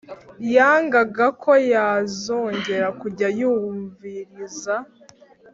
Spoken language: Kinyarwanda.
yangaga ko yazongera kujya yumviriza